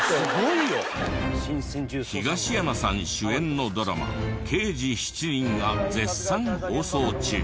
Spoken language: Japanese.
東山さん主演のドラマ『刑事７人』が絶賛放送中。